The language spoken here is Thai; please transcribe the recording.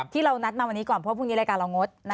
ที่เรานัดมาวันนี้ก่อนเพราะพรุ่งนี้รายการเรางด